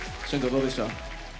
どうでした？